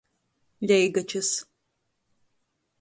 Leigačys.